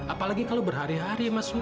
apalagi kalau berhari hari mas susah mak